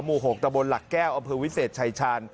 หมู่๖ตะบนหลักแก้วอำเภอวิเศษชายชาญ